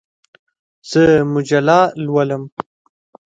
زه مجله لولم.